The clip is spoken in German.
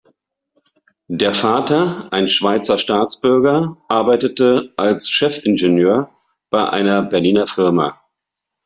Der Vater, ein Schweizer Staatsbürger, arbeitete als Chefingenieur bei einer Berliner Firma.